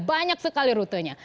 banyak sekali rutenya